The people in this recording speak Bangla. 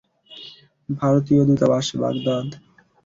ভারতীয় দূতাবাস, বাগদাদ।